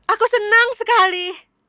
aku senang sekali